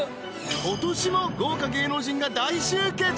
今年も豪華芸能人が大集結！